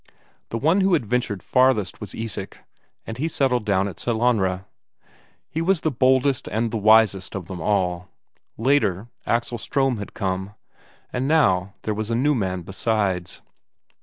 The one who had ventured farthest was Isak, when he settled down at Sellanraa; he was the boldest and the wisest of them all. Later, Axel Ström had come and now there was a new man besides.